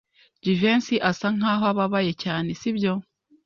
Jivency asa nkaho ababaye cyane, sibyo?